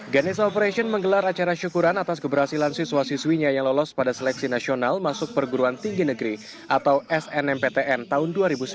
ganesha operation menggelar acara syukuran atas keberhasilan siswa siswinya yang lolos pada seleksi nasional masuk perguruan tinggi negeri atau snmptn tahun dua ribu sembilan belas